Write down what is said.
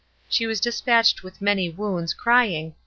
She was dispatched with many wounds, crying.